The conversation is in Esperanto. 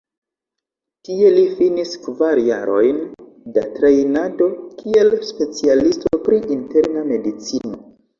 Tie li finis kvar jarojn da trejnado kiel specialisto pri interna medicino.